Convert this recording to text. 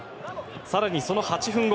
更にその８分後。